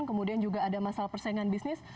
kemudian juga ada masalah persaingan bisnis